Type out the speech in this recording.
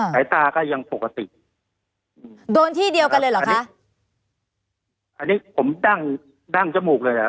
สายตาก็ยังปกติอืมโดนที่เดียวกันเลยเหรอคะอันนี้ผมดั้งดั้งจมูกเลยอ่ะ